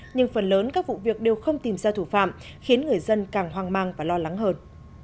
nhưng phần lớn các vụ việc đều không tìm ra thủ phạm khiến người dân càng hoang mang và lo lắng hơn